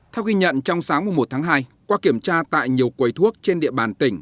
theo ghi nhận trong sáng một tháng hai qua kiểm tra tại nhiều quầy thuốc trên địa bàn tỉnh